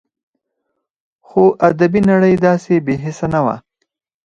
خو ادبي نړۍ داسې بې حسه نه وه